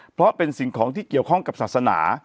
เพราะเป็นสิ่งของที่เกี่ยวข้องกับศาสนา